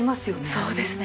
そうですね。